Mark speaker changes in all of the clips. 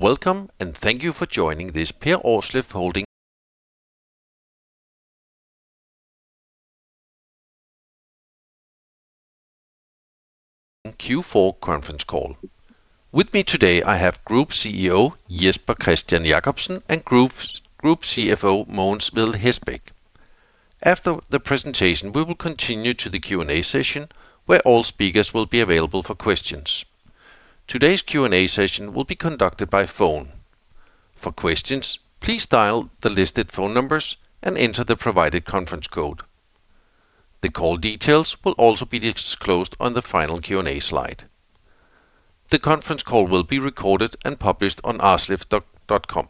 Speaker 1: Welcome, and thank you for joining this Per Aarsleff Holding Q4 Conference Call. With me today, I have Group CEO Jesper Kristian Jacobsen and Group CFO Mogens Vedel Hestbæk. After the presentation, we will continue to the Q&A session, where all speakers will be available for questions. Today's Q&A session will be conducted by phone. For questions, please dial the listed phone numbers and enter the provided conference code. The call details will also be disclosed on the final Q&A slide. The conference call will be recorded and published on aarsleff.com.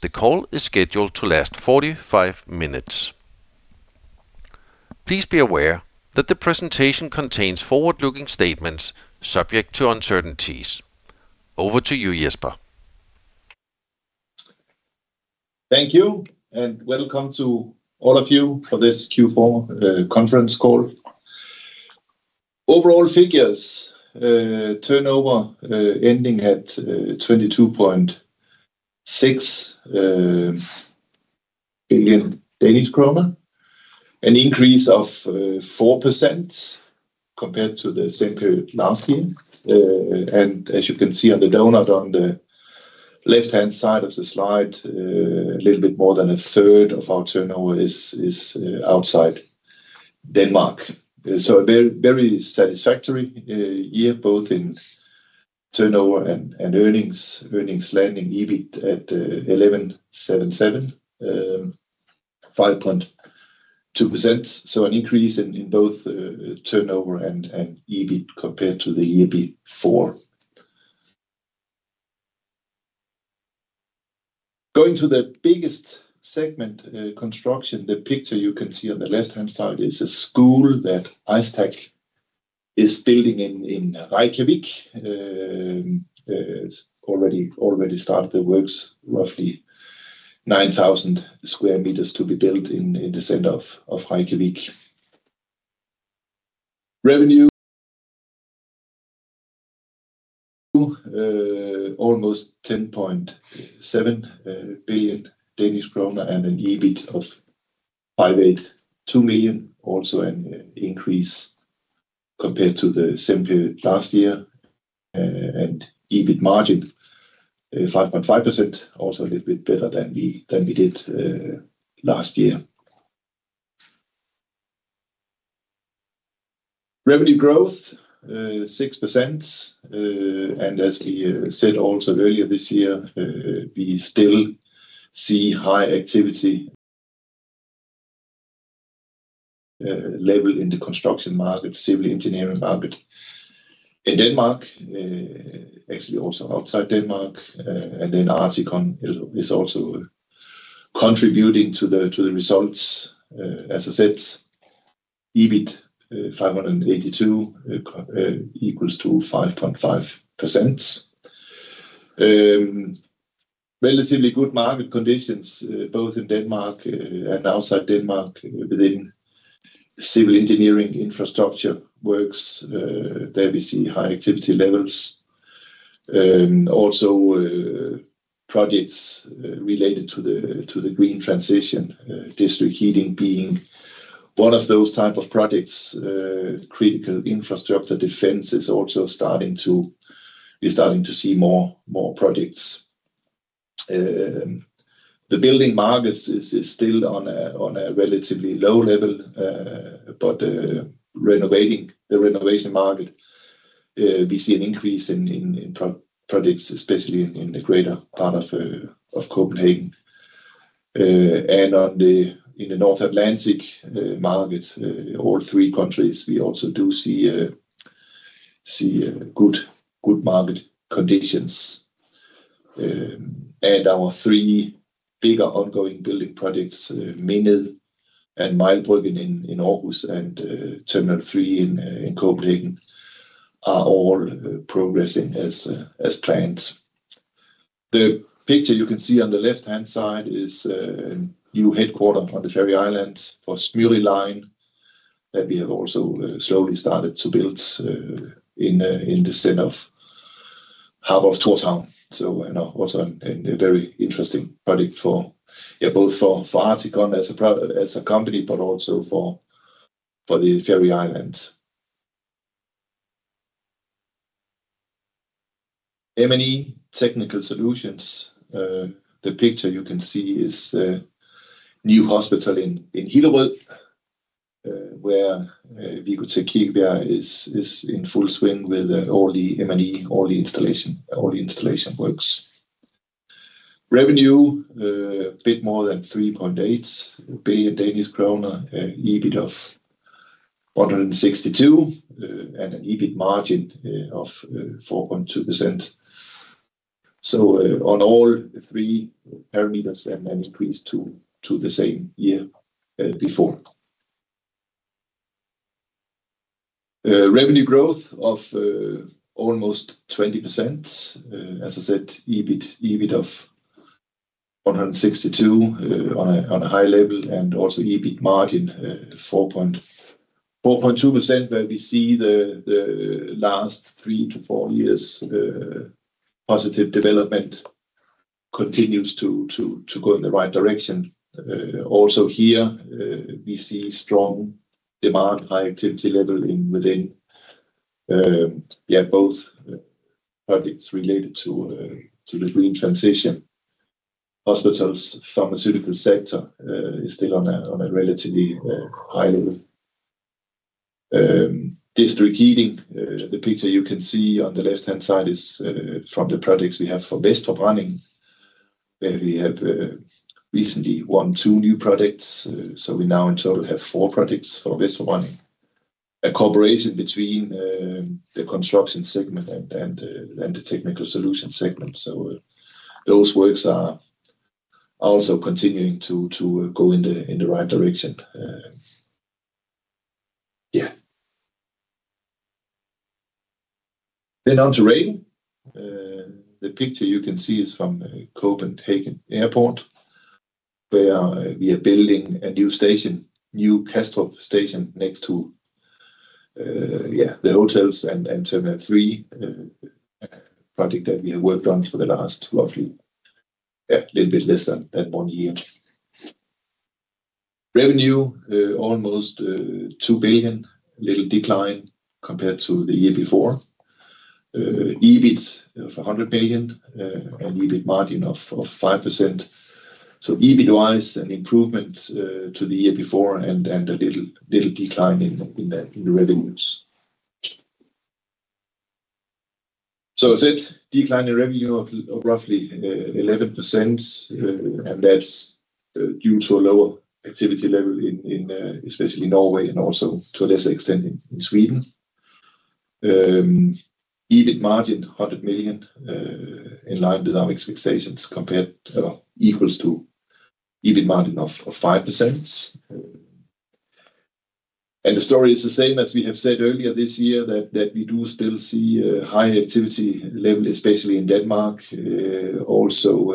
Speaker 1: The call is scheduled to last 45 minutes. Please be aware that the presentation contains forward-looking statements subject to uncertainties. Over to you, Jesper.
Speaker 2: Thank you, and welcome to all of you for this Q4 Conference Call. Overall figures: turnover ending at 22.6 billion Danish kroner, an increase of 4% compared to the same period last year, and as you can see on the diagram on the left-hand side of the slide, a little bit more than a third of our turnover is outside Denmark, so a very satisfactory year, both in turnover and earnings, landing EBIT at 11.77, 5.2%, so an increase in both turnover and EBIT compared to the year before. Going to the biggest segment construction, the picture you can see on the left-hand side is a school that Ístak is building in Reykjavik. It's already started the works, roughly 9,000 sq m to be built in the center of Reykjavik. Revenue: almost 10.7 billion Danish kroner and an EBIT of 582 million, also an increase compared to the same period last year. And EBIT margin: 5.5%, also a little bit better than we did last year. Revenue growth: 6%. And as we said also earlier this year, we still see high activity level in the construction market, civil engineering market in Denmark, actually also outside Denmark. And then ArtiCon is also contributing to the results. As I said, EBIT 582 equals to 5.5%. Relatively good market conditions, both in Denmark and outside Denmark, within civil engineering infrastructure works. There we see high activity levels. Also, projects related to the green transition, district heating being one of those types of projects, critical infrastructure defense is also starting to see more projects. The building market is still on a relatively low level, but the renovation market, we see an increase in projects, especially in the greater part of Copenhagen, and in the North Atlantic market, all three countries, we also do see good market conditions, and our three bigger ongoing building projects, Mindet and Mejlbryggen in Aarhus, and Terminal 3 in Copenhagen, are all progressing as planned. The picture you can see on the left-hand side is new headquarters on the Faroe Island for Smyril Line that we have also slowly started to build in the center of Tórshavn, so also a very interesting project for both ArtiCon as a company, but also for the Faroe Island. M&E Technical Solutions, the picture you can see is new hospital in Hillerød, where Wicotec Kirkebjerg is in full swing with all the M&E, all the installation works. Revenue, a bit more than 3.8 billion Danish kroner, EBIT of 162, and an EBIT margin of 4.2%. So on all three parameters, an increase to the same year before. Revenue growth of almost 20%. As I said, EBIT of 162 on a high level and also EBIT margin 4.2%, where we see the last three to four years' positive development continues to go in the right direction. Also here, we see strong demand, high activity level within both projects related to the green transition. Hospitals, pharmaceutical sector is still on a relatively high level. District heating, the picture you can see on the left-hand side is from the projects we have for Vestforbrænding, where we have recently won two new projects. So we now in total have four projects for Vestforbrænding. A cooperation between the construction segment and the technical solution segment. Those works are also continuing to go in the right direction. Yeah. Then on to Rail. The picture you can see is from Copenhagen Airport, where we are building a new station, new Kastrup Station next to the hotels and Terminal 3 project that we have worked on for the last roughly a little bit less than one year. Revenue almost 2 billion, little decline compared to the year before. EBIT of 100 million and EBIT margin of 5%. So EBIT-wise, an improvement to the year before and a little decline in the revenues. So I said, decline in revenue of roughly 11%, and that's due to a lower activity level, especially in Norway, and also to a lesser extent in Sweden. EBIT, 100 million, in line with our expectations equals to EBIT margin of 5%. And the story is the same as we have said earlier this year, that we do still see a high activity level, especially in Denmark. Also,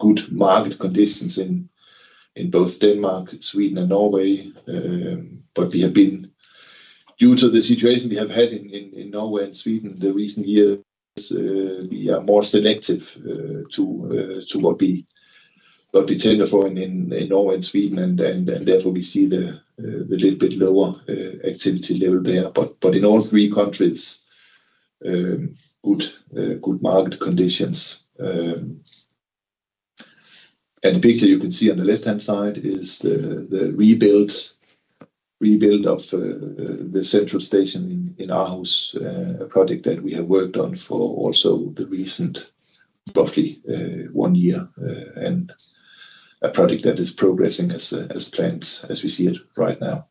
Speaker 2: good market conditions in both Denmark, Sweden, and Norway. But we have been, due to the situation we have had in Norway and Sweden the recent years, we are more selective to what we tender for in Norway and Sweden. And therefore, we see the little bit lower activity level there. But in all three countries, good market conditions. And the picture you can see on the left-hand side is the rebuild of the central station in Aarhus, a project that we have worked on for also the recent, roughly one year, and a project that is progressing as planned, as we see it right now.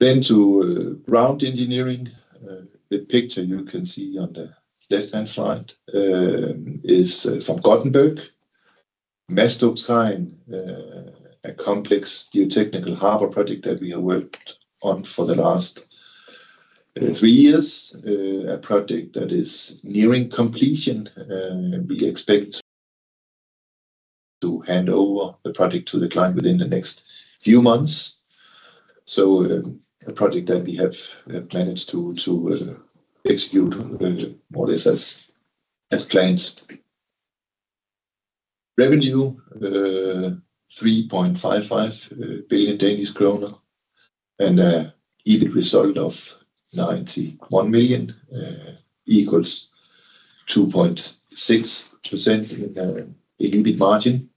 Speaker 2: Then to ground engineering, the picture you can see on the left-hand side is from Gothenburg, Masthuggskajen, a complex geotechnical harbor project that we have worked on for the last three years, a project that is nearing completion. We expect to hand over the project to the client within the next few months. So a project that we have managed to execute more or less as planned. Revenue, 3.55 billion Danish krone, and an EBIT result of 91 million equals 2.6% in EBIT margin.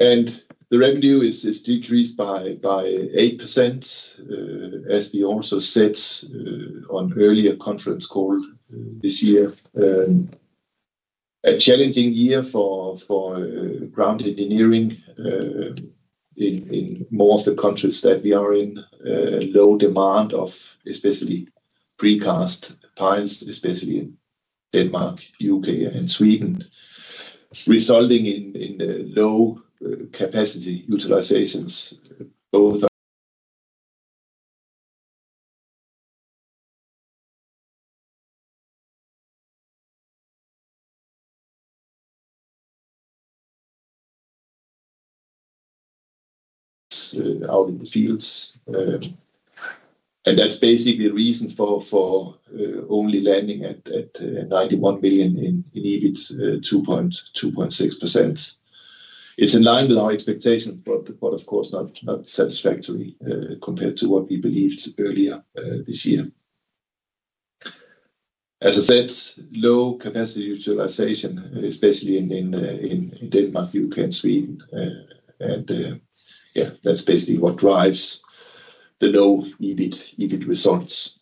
Speaker 2: And the revenue is decreased by 8%, as we also said on earlier conference call this year. A challenging year for ground engineering in more of the countries that we are in, low demand of especially precast piles, especially in Denmark, U.K., and Sweden, resulting in low capacity utilizations both out in the fields. And that's basically the reason for only landing at 91 million in EBIT, 2.6%. It's in line with our expectations, but of course not satisfactory compared to what we believed earlier this year. As I said, low capacity utilization, especially in Denmark, U.K., and Sweden. And yeah, that's basically what drives the low EBIT results.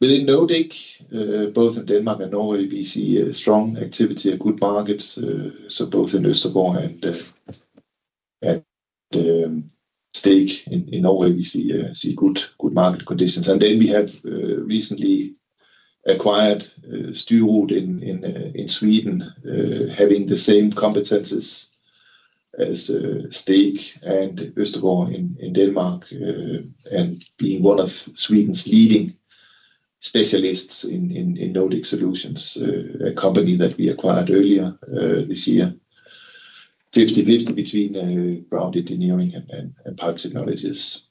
Speaker 2: Within Nordic, both in Denmark and Norway, we see strong activity, a good market. So both in Østergaard and Steg in Norway, we see good market conditions. And then we have recently acquired Styrud in Sweden, having the same competencies as Steg and Østergaard in Denmark, and being one of Sweden's leading specialists in No-Dig solutions, a company that we acquired earlier this year. 50/50 between ground engineering and pipe technologies.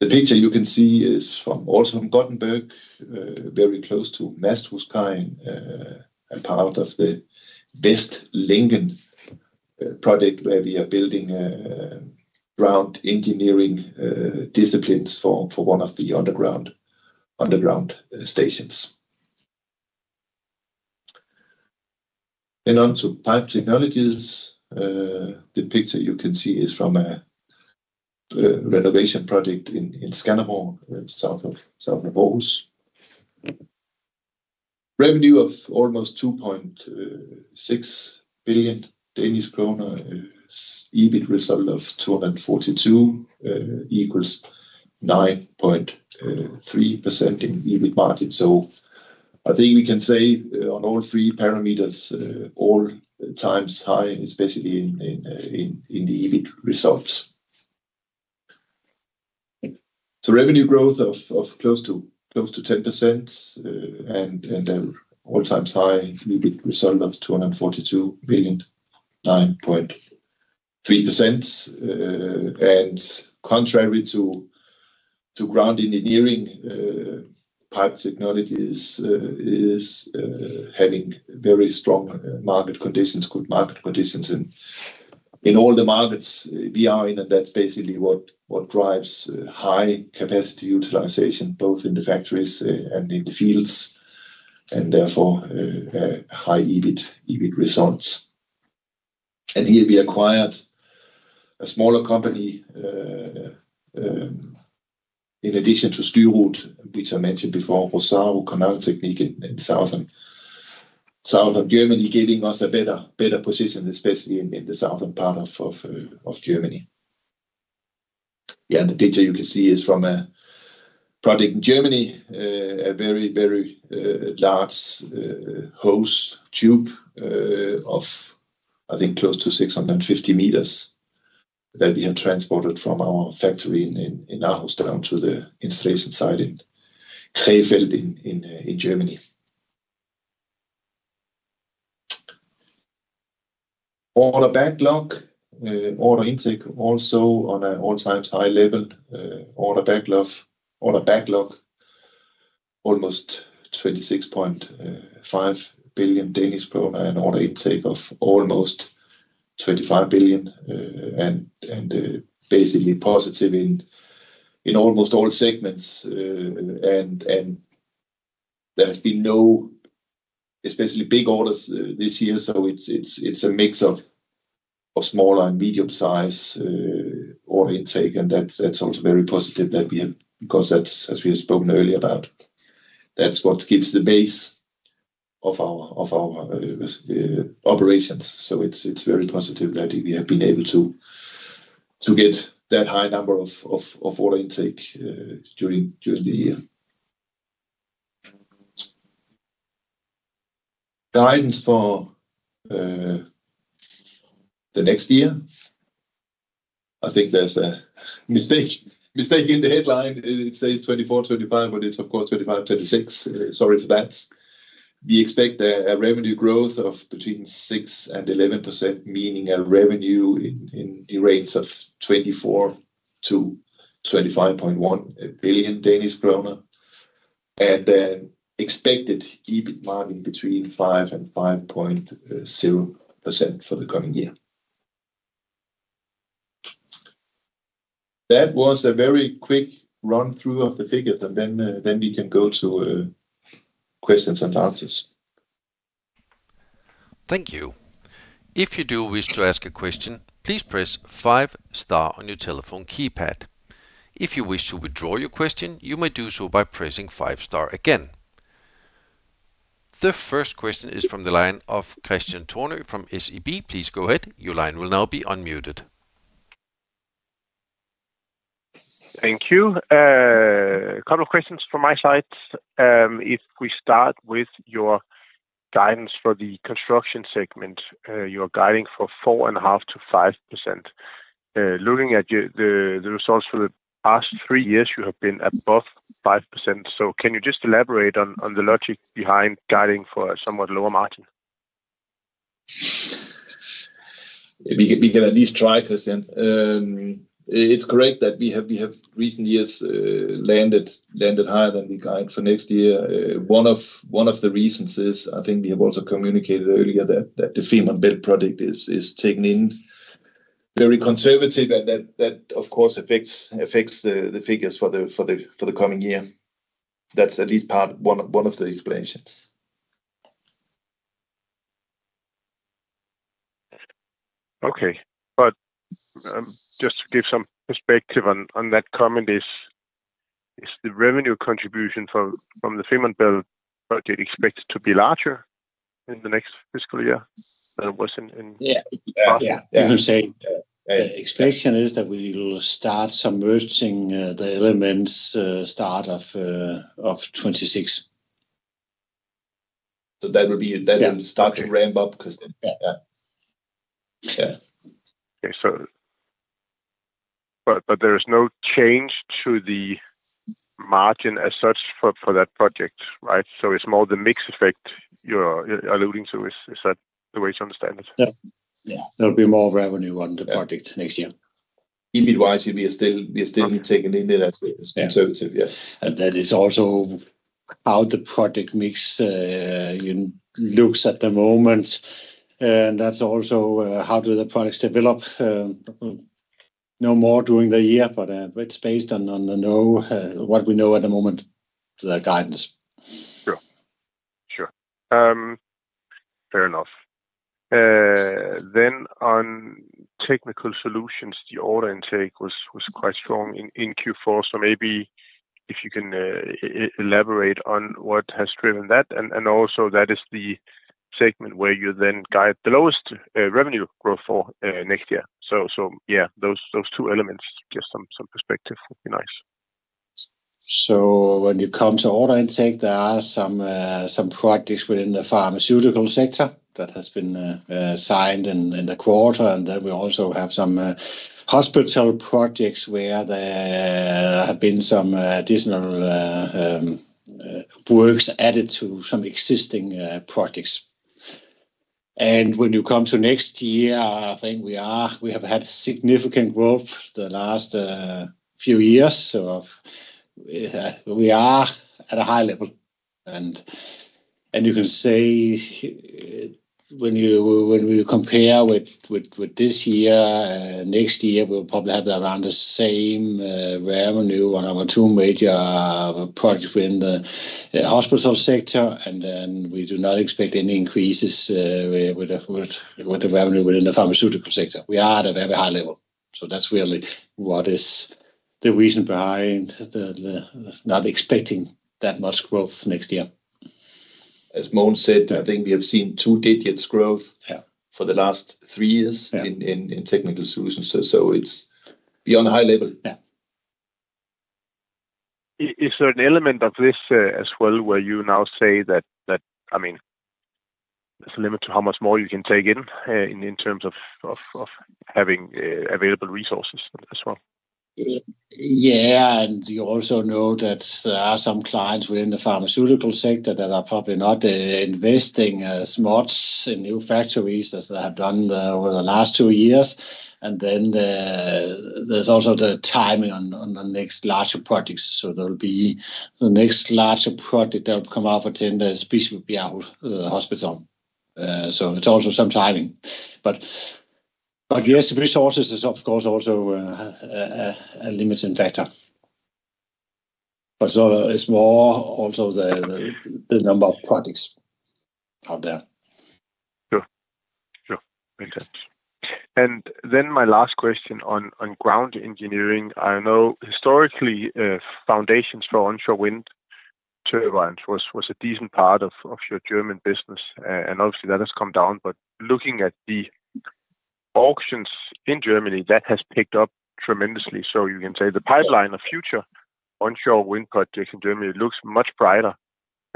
Speaker 2: The picture you can see is also from Gothenburg, very close to Masthuggskajen, a part of the Vestlinjen project where we are building ground engineering disciplines for one of the underground stations. Then on to pipe technologies. The picture you can see is from a renovation project in Skanderborg, south of Aarhus. Revenue of almost 2.6 billion Danish kroner, EBIT result of 242 million equals 9.3% in EBIT margin. So I think we can say on all three parameters, all-time high, especially in the EBIT results. So revenue growth of close to 10% and all-time high EBIT result of 242 million, 9.3%. And contrary to ground engineering, pipe technologies is having very strong market conditions, good market conditions in all the markets we are in. And that's basically what drives high capacity utilization, both in the factories and in the fields, and therefore high EBIT results. Here we acquired a smaller company in addition to Styrud, which I mentioned before, Rossaro Kanaltechnik in southern Germany, giving us a better position, especially in the southern part of Germany. Yeah, and the picture you can see is from a project in Germany, a very, very large hose tube of, I think, close to 650 meters that we have transported from our factory in Aarhus down to the installation site in Krefeld in Germany. Order backlog, order intake also on an all-time high level, order backlog, almost 26.5 billion Danish kroner and order intake of almost 25 billion, and basically positive in almost all segments. And there has been no especially big orders this year. It is a mix of smaller and medium-sized order intake. That's also very positive that we have, because as we have spoken earlier about, that's what gives the base of our operations. So it's very positive that we have been able to get that high number of order intake during the year. Guidance for the next year. I think there's a mistake in the headline. It says 2024, 2025, but it's of course 2025, 2026. Sorry for that. We expect a revenue growth of between 6% and 11%, meaning a revenue in the range of 24 billion-25.1 billion Danish krone, and then expected EBIT margin between 5% and 5.0% for the coming year. That was a very quick run-through of the figures. And then we can go to questions and answers.
Speaker 1: Thank you. If you do wish to ask a question, please press five-star on your telephone keypad. If you wish to withdraw your question, you may do so by pressing five-star again. The first question is from the line of Kristian Tornøe from SEB. Please go ahead. Your line will now be unmuted.
Speaker 3: Thank you. A couple of questions from my side. If we start with your guidance for the construction segment, you are guiding for 4.5%-5%. Looking at the results for the past three years, you have been above 5%. So can you just elaborate on the logic behind guiding for a somewhat lower margin?
Speaker 2: We can at least try, Kristian. It's great that we have in recent years landed higher than we guide for next year. One of the reasons is, I think we have also communicated earlier that the Fehmarnbelt project is taken very conservatively, and that, of course, affects the figures for the coming year. That's at least part of one of the explanations.
Speaker 3: Okay, but just to give some perspective on that comment, is the revenue contribution from the Fehmarnbelt project expected to be larger in the next fiscal year than it was in?
Speaker 4: Yeah. As I say, the expectation is that we will start submerging the elements, start of 2026.
Speaker 2: So that will start to ramp up, Kristian. Yeah.
Speaker 3: Okay. But there is no change to the margin as such for that project, right? So it's more the mix effect you're alluding to. Is that the way to understand it?
Speaker 4: Yeah. There will be more revenue on the project next year. EBIT-wise, we are still taking in it as conservative. And then it's also how the project mix looks at the moment. And that's also how do the products develop. No more during the year, but it's based on what we know at the moment, the guidance.
Speaker 3: Sure. Fair enough. Then on technical solutions, the order intake was quite strong in Q4. So maybe if you can elaborate on what has driven that. And also, that is the segment where you then guide the lowest revenue growth for next year. So yeah, those two elements, just some perspective would be nice.
Speaker 4: So when you come to order intake, there are some projects within the pharmaceutical sector that has been signed in the quarter. And then we also have some hospital projects where there have been some additional works added to some existing projects. And when you come to next year, I think we have had significant growth the last few years. So we are at a high level. And you can say when we compare with this year, next year, we'll probably have around the same revenue on our two major projects within the hospital sector. And then we do not expect any increases with the revenue within the pharmaceutical sector. We are at a very high level. So that's really what is the reason behind not expecting that much growth next year.
Speaker 2: As Mogens said, I think we have seen two-digit growth for the last three years in technical solutions. It's beyond high level.
Speaker 3: Is there an element of this as well where you now say that, I mean, there's a limit to how much more you can take in terms of having available resources as well?
Speaker 4: Yeah. And you also know that there are some clients within the pharmaceutical sector that are probably not investing as much in new factories as they have done over the last two years. And then there's also the timing on the next larger projects. So there will be the next larger project that will come out for specifically our hospital. So it's also some timing. But yes, resources is, of course, also a limiting factor. But it's more also the number of projects out there.
Speaker 3: Sure. Makes sense. And then my last question on ground engineering. I know historically, foundations for onshore wind turbines was a decent part of your German business. And obviously, that has come down. But looking at the auctions in Germany, that has picked up tremendously. So you can say the pipeline, a future onshore wind project in Germany looks much brighter.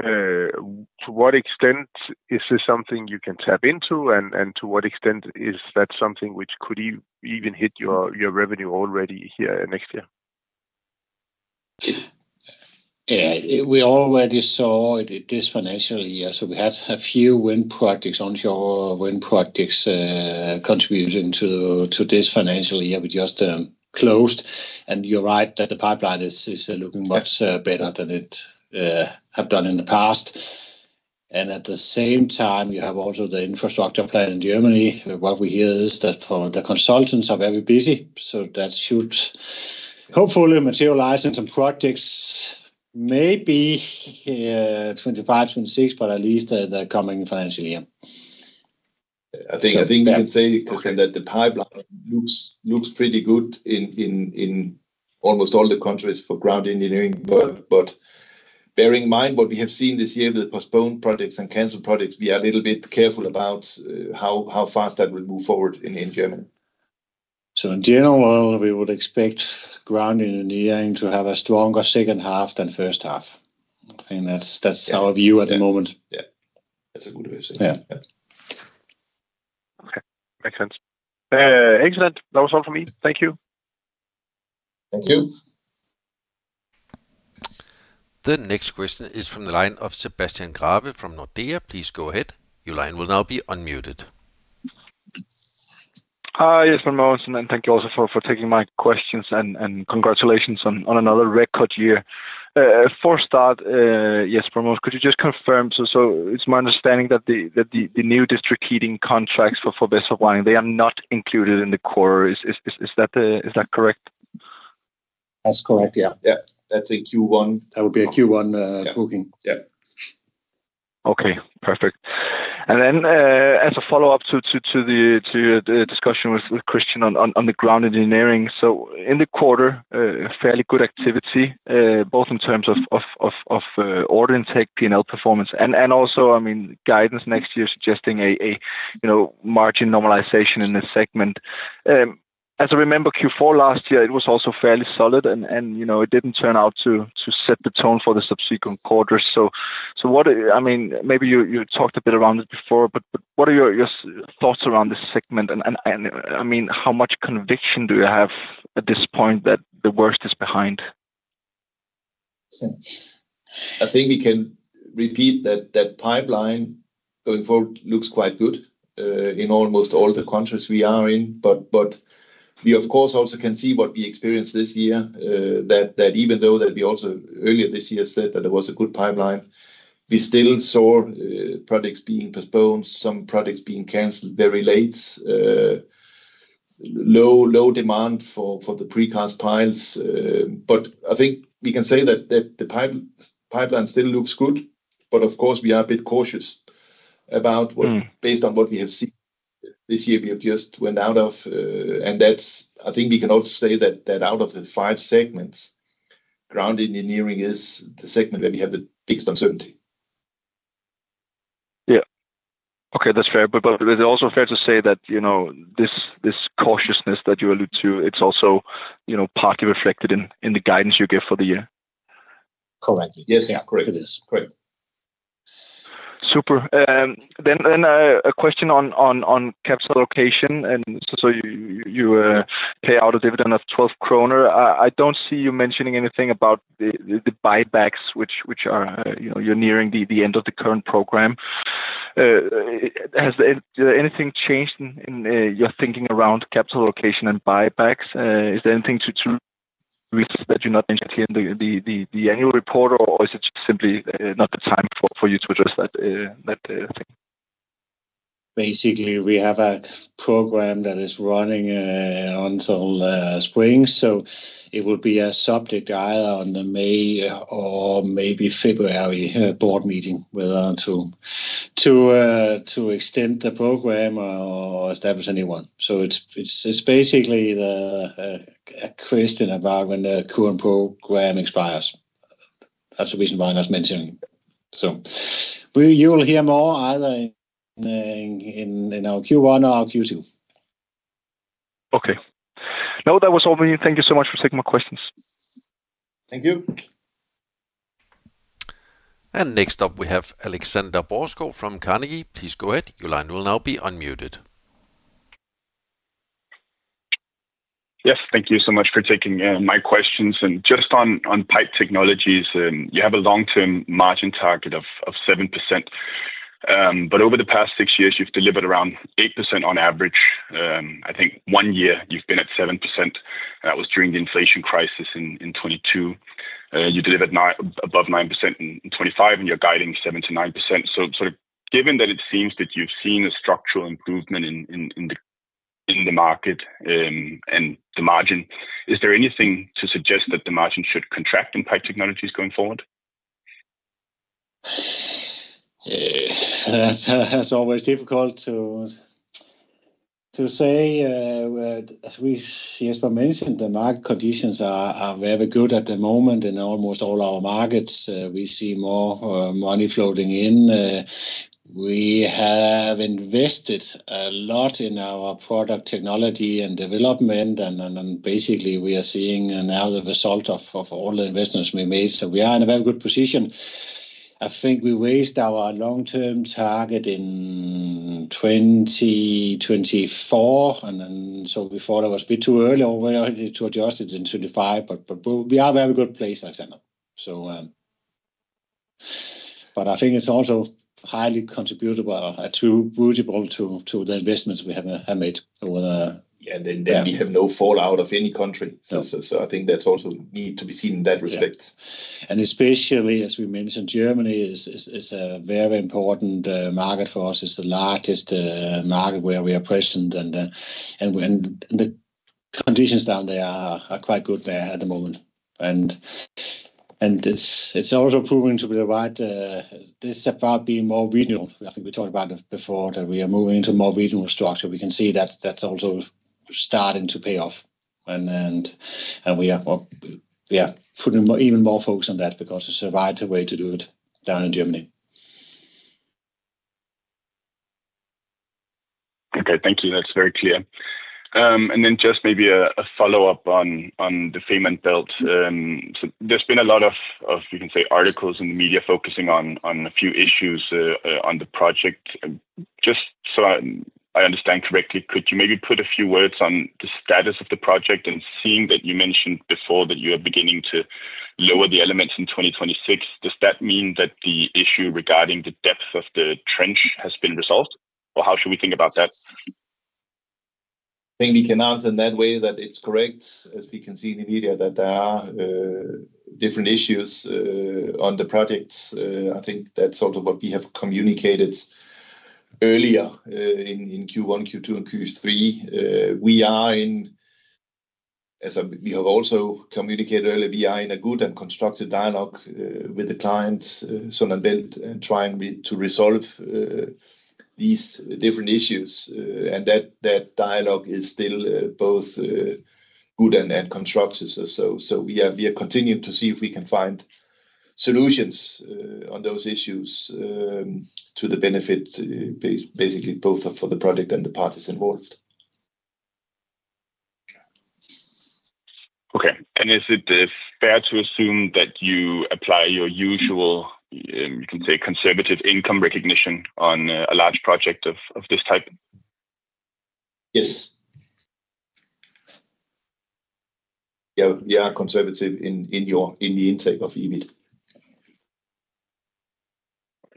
Speaker 3: To what extent is this something you can tap into? And to what extent is that something which could even hit your revenue already here next year?
Speaker 4: Yeah. We already saw this financial year. So we had a few wind projects, onshore wind projects contributing to this financial year. We just closed. And you're right that the pipeline is looking much better than it has done in the past. And at the same time, you have also the infrastructure plan in Germany. What we hear is that the consultants are very busy. So that should hopefully materialize in some projects maybe 2025, 2026, but at least the coming financial year.
Speaker 2: I think we can say, Kristian, that the pipeline looks pretty good in almost all the countries for ground engineering. But bearing in mind what we have seen this year with the postponed projects and canceled projects, we are a little bit careful about how fast that will move forward in Germany.
Speaker 4: So in general, we would expect ground engineering to have a stronger second half than first half. I think that's our view at the moment. Yeah.
Speaker 2: That's a good way to say it.
Speaker 3: Okay. Makes sense. Excellent. That was all for me. Thank you.
Speaker 4: Thank you.
Speaker 1: The next question is from the line of Sebastian Graabæk from Nordea. Please go ahead. Your line will now be unmuted.
Speaker 5: Yes, Mogens. And thank you also for taking my questions. And congratulations on another record year. For a start, yes, Mogens, could you just confirm? So it's my understanding that the new district heating contracts for Vestforbrænding, they are not included in the core. Is that correct?
Speaker 4: That's correct. Yeah.
Speaker 2: Yeah. That's a Q1.
Speaker 4: That would be a Q1 booking.
Speaker 2: Yeah.
Speaker 5: Okay. Perfect. And then as a follow-up to the discussion with Kristian on the ground engineering, so in the quarter, fairly good activity, both in terms of order intake, P&L performance, and also, I mean, guidance next year suggesting a margin normalization in the segment. As I remember, Q4 last year, it was also fairly solid. And it didn't turn out to set the tone for the subsequent quarters. So I mean, maybe you talked a bit around it before, but what are your thoughts around this segment? And I mean, how much conviction do you have at this point that the worst is behind?
Speaker 2: I think we can repeat that pipeline going forward looks quite good in almost all the countries we are in. But we, of course, also can see what we experienced this year, that even though that we also earlier this year said that there was a good pipeline, we still saw projects being postponed, some projects being canceled very late, low demand for the precast piles. But I think we can say that the pipeline still looks good. But of course, we are a bit cautious about based on what we have seen this year, we have just went out of. And I think we can also say that out of the five segments, ground engineering is the segment where we have the biggest uncertainty.
Speaker 3: Yeah. Okay. That's fair, but it's also fair to say that this cautiousness that you allude to, it's also partly reflected in the guidance you give for the year.
Speaker 4: Correct.
Speaker 2: Yes. Correct. Correct.
Speaker 5: Super. Then a question on capital allocation, and so you pay out a dividend of 12 kroner. I don't see you mentioning anything about the buybacks, which you're nearing the end of the current program. Has anything changed in your thinking around capital allocation and buybacks? Is there anything to reach that you're not mentioning in the annual report, or is it simply not the time for you to address that thing?
Speaker 4: Basically, we have a program that is running until spring. So it will be a subject either on the May or maybe February board meeting whether to extend the program or establish a new one. So it's basically a question about when the current program expires. That's the reason why I'm not mentioning it. So you will hear more either in our Q1 or our Q2.
Speaker 5: Okay. No, that was all for me. Thank you so much for taking my questions.
Speaker 4: Thank you.
Speaker 1: Next up, we have Alexander Busch from Carnegie. Please go ahead. Your line will now be unmuted.
Speaker 6: Yes. Thank you so much for taking my questions. And just on pipe technologies, you have a long-term margin target of 7%. But over the past six years, you've delivered around 8% on average. I think one year you've been at 7%. That was during the inflation crisis in 2022. You delivered above 9% in 2025, and you're guiding 7%-9%. So given that it seems that you've seen a structural improvement in the market and the margin, is there anything to suggest that the margin should contract in pipe technologies going forward?
Speaker 4: That's always difficult to say. As we mentioned, the market conditions are very good at the moment in almost all our markets. We see more money floating in. We have invested a lot in our product technology and development, and basically, we are seeing now the result of all the investments we made, so we are in a very good position. I think we raised our long-term target in 2024, and so we thought it was a bit too early to adjust it in 2025, but we are in a very good place, Alexander. But I think it's also highly contributable to the investments we have made over the.
Speaker 2: Yeah, then we have no fallout of any country, so I think that's also need to be seen in that respect.
Speaker 4: And especially, as we mentioned, Germany is a very important market for us. It's the largest market where we are present. And the conditions down there are quite good there at the moment. And it's also proving to be the right thing about being more regional. I think we talked about it before, that we are moving into more regional structure. We can see that that's also starting to pay off. And we are putting even more focus on that because it's the right way to do it down in Germany.
Speaker 6: Okay. Thank you. That's very clear. And then just maybe a follow-up on the Fehmarn Belt. There's been a lot of, you can say, articles in the media focusing on a few issues on the project. Just so I understand correctly, could you maybe put a few words on the status of the project? And seeing that you mentioned before that you are beginning to lower the elements in 2026, does that mean that the issue regarding the depth of the trench has been resolved? Or how should we think about that?
Speaker 2: I think we can answer in that way that it's correct. As we can see in the media that there are different issues on the projects. I think that's also what we have communicated earlier in Q1, Q2, and Q3. We are in, as we have also communicated earlier, a good and constructive dialogue with the client, Sund & Bælt, and trying to resolve these different issues, and that dialogue is still both good and constructive, so we are continuing to see if we can find solutions on those issues to the benefit, basically, both for the project and the parties involved.
Speaker 6: Okay. And is it fair to assume that you apply your usual, you can say, conservative income recognition on a large project of this type?
Speaker 2: Yes. Yeah. We are conservative in the intake of EBIT.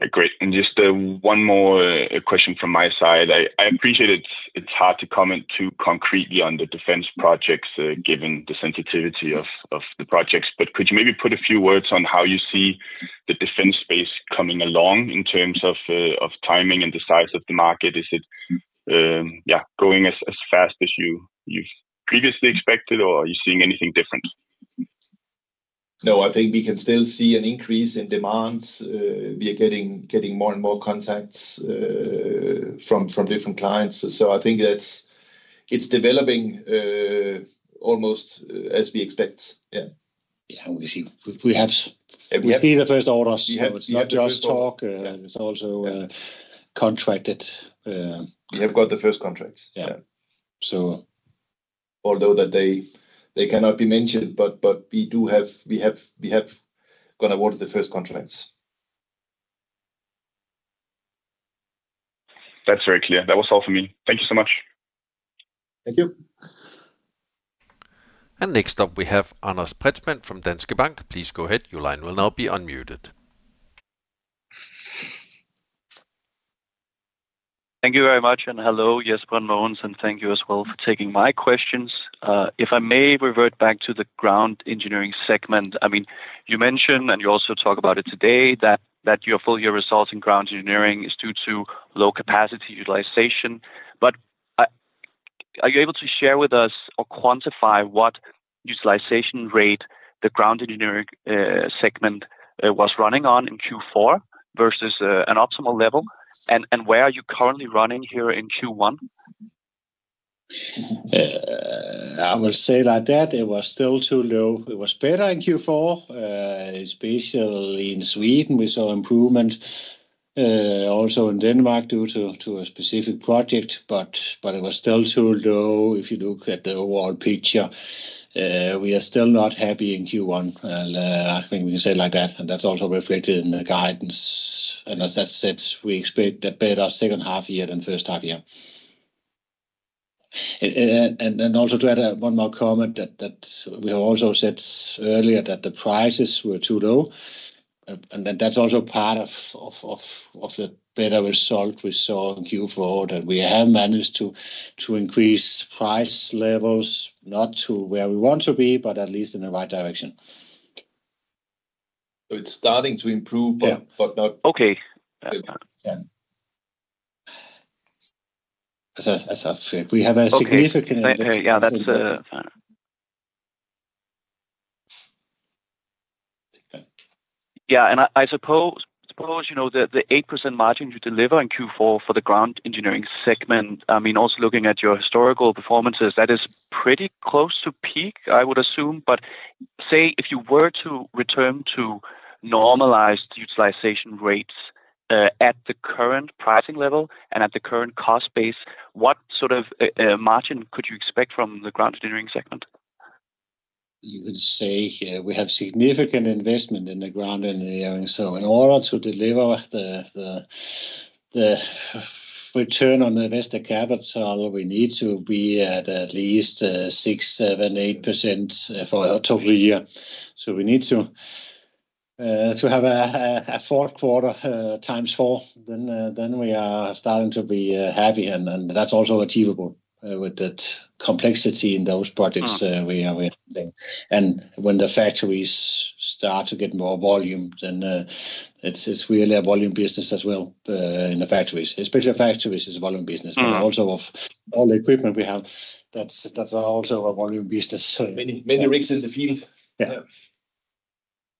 Speaker 6: Okay. Great. And just one more question from my side. I appreciate it's hard to comment too concretely on the defense projects given the sensitivity of the projects. But could you maybe put a few words on how you see the defense space coming along in terms of timing and the size of the market? Is it, yeah, going as fast as you've previously expected, or are you seeing anything different?
Speaker 2: No, I think we can still see an increase in demands. We are getting more and more contacts from different clients. So I think it's developing almost as we expect. Yeah.
Speaker 4: Yeah. We see. We have. We see the first orders. We have just talked. It's also contracted.
Speaker 2: We have got the first contracts. Yeah. Although that day they cannot be mentioned, but we do have going to award the first contracts.
Speaker 6: That's very clear. That was all for me. Thank you so much.
Speaker 4: Thank you.
Speaker 1: Next up, we have August Pretzmann from Danske Bank. Please go ahead. Your line will now be unmuted. Thank you very much. Hello, Jesper, Mogens, and thank you as well for taking my questions. If I may revert back to the ground engineering segment, I mean, you mentioned, and you also talk about it today, that your full-year results in ground engineering is due to low capacity utilization. But are you able to share with us or quantify what utilization rate the ground engineering segment was running on in Q4 versus an optimal level? And where are you currently running here in Q1?
Speaker 4: I will say like that. It was still too low. It was better in Q4, especially in Sweden. We saw improvement also in Denmark due to a specific project, but it was still too low if you look at the overall picture. We are still not happy in Q1. I think we can say it like that, and that's also reflected in the guidance, and as I said, we expect a better second half year than first half year, and also to add one more comment that we have also said earlier that the prices were too low, and then that's also part of the better result we saw in Q4 that we have managed to increase price levels not to where we want to be, but at least in the right direction.
Speaker 2: It's starting to improve, but not.
Speaker 4: Okay. As I said, we have a significant impact. Yeah. That's fine. Yeah. And I suppose the 8% margin you deliver in Q4 for the ground engineering segment, I mean, also looking at your historical performances, that is pretty close to peak, I would assume. But say if you were to return to normalized utilization rates at the current pricing level and at the current cost base, what sort of margin could you expect from the ground engineering segment? You can say we have significant investment in the ground engineering. So in order to deliver the return on the investor capital, we need to be at least 6%-8% for a total year. So we need to have a fourth quarter times four. Then we are starting to be heavy. And that's also achievable with the complexity in those projects we are doing. And when the factories start to get more volume, then it's really a volume business as well in the factories. Especially factories is a volume business. But also all the equipment we have, that's also a volume business.
Speaker 2: Many rigs in the field.
Speaker 4: Yeah.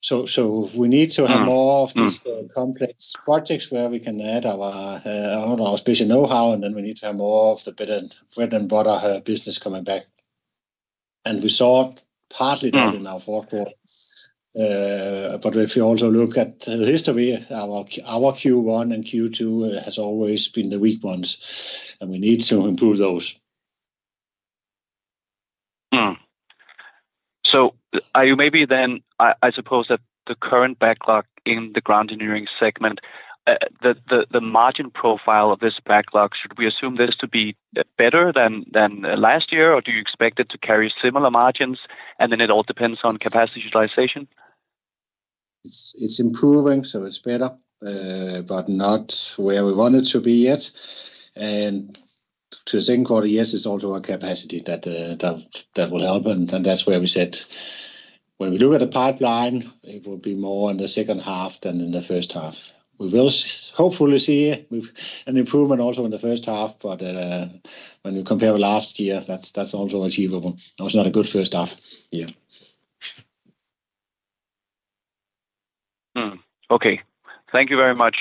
Speaker 4: So we need to have more of these complex projects where we can add our special know-how. And then we need to have more of the bread and butter business coming back. And we saw partly that in our fourth quarter. But if you also look at the history, our Q1 and Q2 has always been the weak ones. And we need to improve those. So maybe then I suppose that the current backlog in the ground engineering segment, the margin profile of this backlog, should we assume this to be better than last year? Or do you expect it to carry similar margins? And then it all depends on capacity utilization? It's improving, so it's better, but not where we want it to be yet, and to the second quarter, yes, it's also our capacity that will help, and that's where we said when we look at the pipeline, it will be more in the second half than in the first half. We will hopefully see an improvement also in the first half, but when we compare with last year, that's also achievable. It was not a good first half year. Okay. Thank you very much.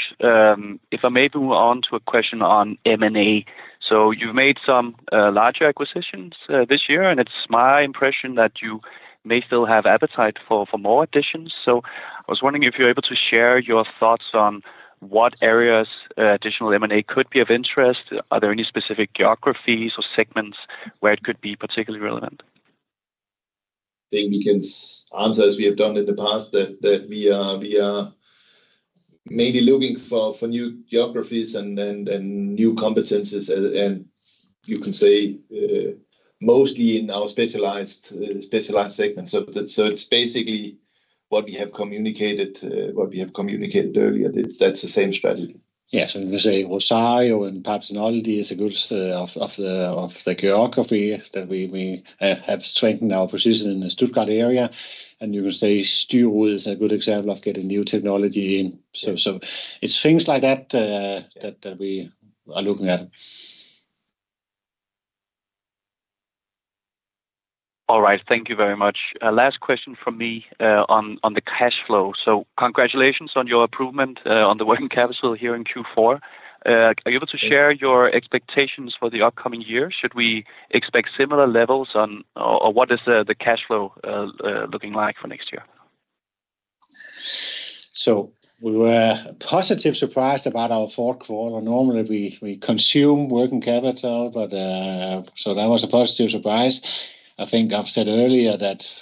Speaker 4: If I may move on to a question on M&A. So you've made some larger acquisitions this year. And it's my impression that you may still have appetite for more additions. So I was wondering if you're able to share your thoughts on what areas additional M&A could be of interest? Are there any specific geographies or segments where it could be particularly relevant?
Speaker 2: I think we can answer as we have done in the past that we are maybe looking for new geographies and new competencies, and you can say mostly in our specialized segments, so it's basically what we have communicated, what we have communicated earlier. That's the same strategy.
Speaker 4: Yes. We can say Rossaro and perhaps [Nordics] is a good of the geography that we have strengthened our position in the Stuttgart area, and you can say Styrud is a good example of getting new technology in, so it's things like that that we are looking at. All right. Thank you very much. Last question from me on the cash flow, so congratulations on your improvement on the working capital here in Q4. Are you able to share your expectations for the upcoming year? Should we expect similar levels? Or what is the cash flow looking like for next year? We were positively surprised about our fourth quarter. Normally, we consume working capital. That was a positive surprise. I think I've said earlier that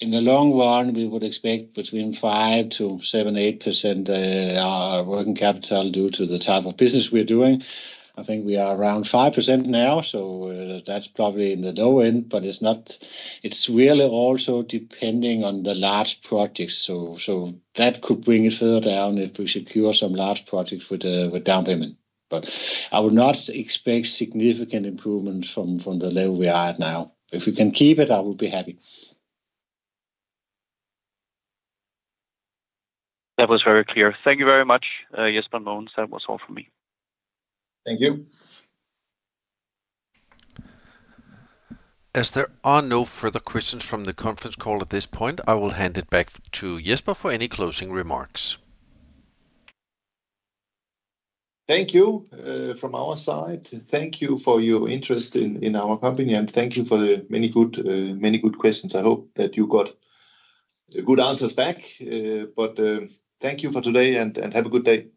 Speaker 4: in the long run, we would expect between 5%-8% working capital due to the type of business we're doing. I think we are around 5% now. That's probably in the low end. But it's really also depending on the large projects. That could bring it further down if we secure some large projects with down payment. But I would not expect significant improvement from the level we are at now. If we can keep it, I would be happy. That was very clear. Thank you very much, Jesper, Mogens. That was all for me. Thank you.
Speaker 1: As there are no further questions from the conference call at this point, I will hand it back to Jesper for any closing remarks.
Speaker 2: Thank you from our side. Thank you for your interest in our company. And thank you for the many good questions. I hope that you got good answers back. But thank you for today. And have a good day.